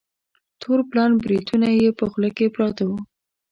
تور پلن بریتونه یې په خوله کې پراته وه.